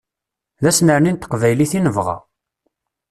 D anserni n teqbaylit i nebɣa.